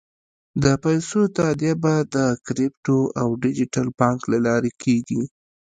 د پیسو تادیه به د کریپټو او ډیجیټل بانک له لارې کېږي.